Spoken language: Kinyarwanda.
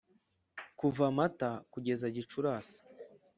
kuva mata kugera gicurasi,